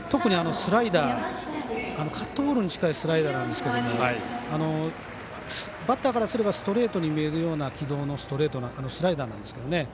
特にカットボールに近いスライダーなんですがバッターからすればストレートに見えるような軌道のスライダーなんですけどね。